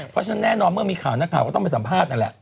เพราะฉะนั้นแน่นอนเมื่อมีข่าวนักข่าวก็ต้องไปสัมภาษณ์นั่นแหละ